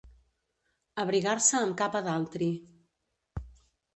Abrigar-se amb capa d'altri.